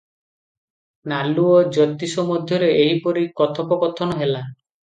ନାଲୁ ଓ ଜ୍ୟୋତିଷ ମଧ୍ୟରେ ଏହିପରି କଥୋପକଥନ ହେଲା ।